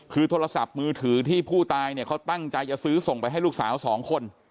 คือโทรศัพท์มือถือที่ผู้ตายเนี่ยเขาตั้งใจจะซื้อส่งไปให้ลูกสาวสองคน